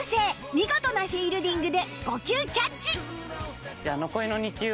見事なフィールディングで５球キャッチ！